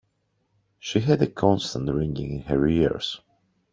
She had a constant ringing in her ears.